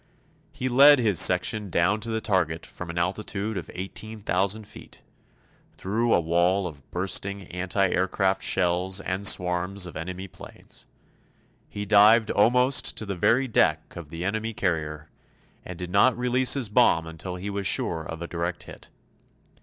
He led his section down to the target from an altitude of 18,000 feet, through a wall of bursting anti aircraft shells and swarms of enemy planes. He dived almost to the very deck of the enemy carrier, and did not release his bomb until he was sure of a direct hit.